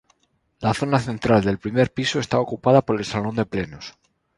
La zona central del primer piso está ocupada por el Salón de Plenos.